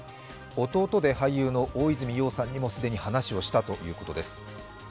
弟で俳優の大泉洋さんにも既に話をしたということです。